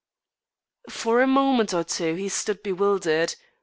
For a moment or two he stood bewildered.